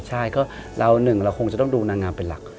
ใช่ก็เราหนึ่งเราคงจะต้องดูนางงามเป็นหลัก